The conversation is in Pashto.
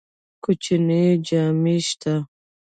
کوچنی جامی شته؟